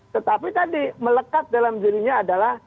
tetapi tadi melekat dalam dirinya adalah